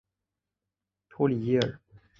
托里耶尔。